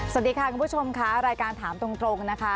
สวัสดีค่ะคุณผู้ชมค่ะรายการถามตรงนะคะ